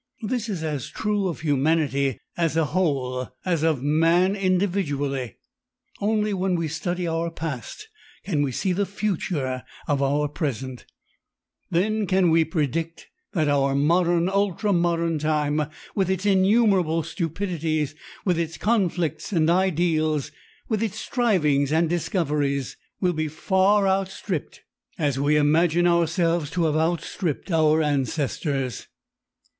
This is as true of humanity as a whole as of man individually. Only when we study our past can we see the future of our present, then can we predict that our modern, ultra modern time with its innumerable stupidities, with its conflicts and ideals, with its strivings and discoveries, will be as far outstripped as we imagine ourselves to have outstripped our ancestors.